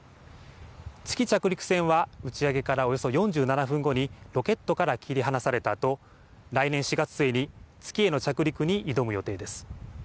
月着陸船は打ち上げからおよそ４７分後にロケットから切り離されたあと来年４月末に月への着陸に挑む予定です。